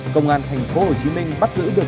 công an thành phố hồ chí minh bắt giữ được